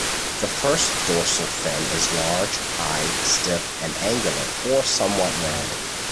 The first dorsal fin is large, high, stiff, and angular or somewhat rounded.